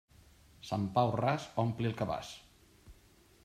Sant Pau ras ompli el cabàs.